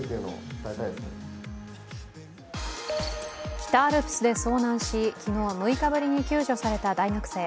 北アルプスで遭難し、昨日、６日ぶりに救助された大学生。